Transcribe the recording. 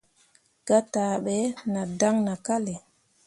Gataaɓe nah dan nah kalle.